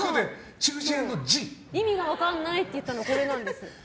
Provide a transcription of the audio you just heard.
意味が分からないって言ったのこれなんです。